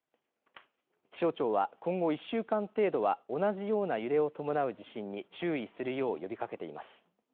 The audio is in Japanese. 気象庁は今後１週間程度は同じような揺れを伴う地震に注意するよう呼びかけています。